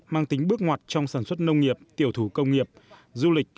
mang tính bước ngoặt trong sản xuất nông nghiệp tiểu thủ công nghiệp du lịch